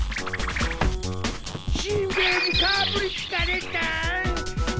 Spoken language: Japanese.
しんべヱにかぶりつかれた！